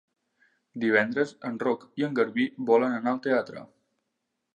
Divendres en Roc i en Garbí volen anar al teatre.